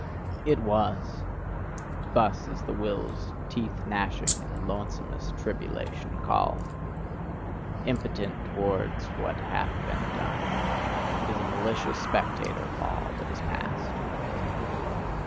"It was": thus is the Will's teeth gnashing and lonesomest tribulation called. Impotent towards what hath been done it is a malicious spectator of all that is past.